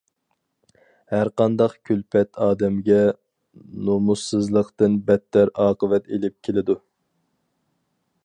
ھەر قانداق كۈلپەت ئادەمگە نومۇسسىزلىقتىن بەتتەر ئاقىۋەت ئېلىپ كېلىدۇ.